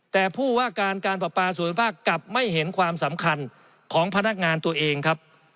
แต่ผู้ว่าการการประปาส่วนภาคกลับไม่เห็นความสำคัญของพนักงานตัวเองครับ